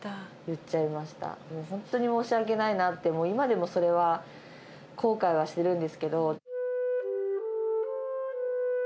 本当に申し訳ないなって、今でもそれは後悔はしているんですけれども。